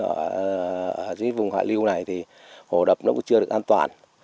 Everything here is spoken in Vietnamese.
ở dưới vùng hạ lưu này thì hồ đập nó cũng chưa được an toàn